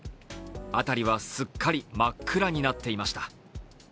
辺りはすっかり真っ暗になっていました。